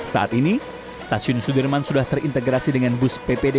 saat ini stasiun sudirman sudah terintegrasi dengan bus ppd